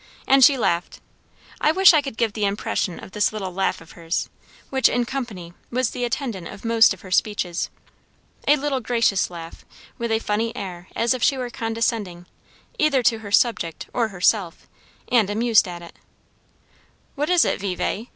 And she laughed. I wish I could give the impression of this little laugh of hers, which, in company, was the attendant of most of her speeches. A little gracious laugh, with a funny air as if she were condescending, either to her subject or herself, and amused at it. "What is it, Vevay?